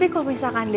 aku juga suka sama dia